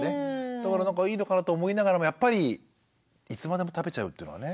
だからなんかいいのかなと思いながらもやっぱりいつまでも食べちゃうっていうのはね。